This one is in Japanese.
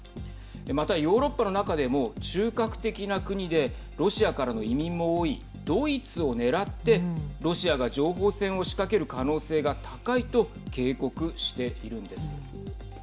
またヨーロッパの中でも中核的な国でロシアからの移民も多いドイツを狙ってロシアが情報戦を仕掛ける可能性が高いと警告しているんです。